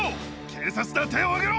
警察だ手を上げろ！